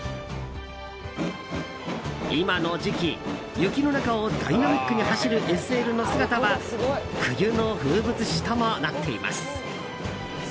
今の時期雪の中をダイナミックに走るＳＬの姿は冬の風物詩ともなっています。